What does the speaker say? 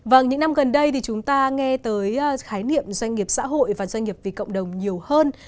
vâng những năm gần đây thì chúng ta nghe tới khái niệm doanh nghiệp xã hội và doanh nghiệp vì cộng đồng nhiều hơn